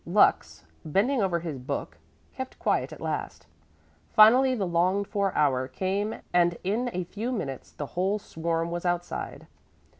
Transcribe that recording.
Lux, bending over his book, kept quiet at last. Finally the longed for hour came and in a few minutes the whole swarm was outside.